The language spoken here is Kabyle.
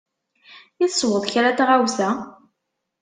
I tesweḍ kra n tɣawsa?